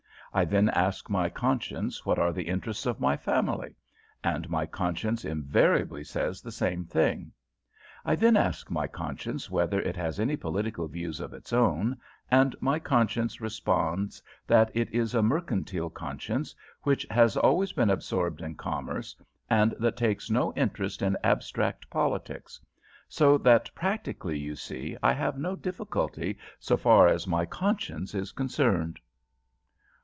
I then ask my conscience what are the interests of my family, and my conscience invariably says the same thing. I then ask my conscience whether it has any political views of its own, and my conscience responds that it is a mercantile conscience, which has always been absorbed in commerce, and that takes no interest in abstract politics; so that practically, you see, I have no difficulty, so far as my conscience is concerned."